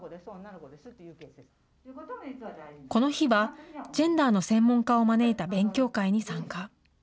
この日はジェンダーの専門家を招いた勉強会に参加。